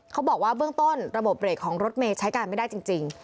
เขาบอกว่าเบื้องต้นระบบเบรกของรถเมย์ใช้การไม่ได้จริง